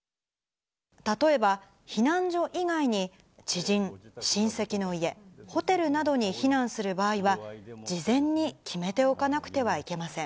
例えば避難所以外に、知人、親戚の家、ホテルなどに避難する場合は、事前に決めておかなくてはいけません。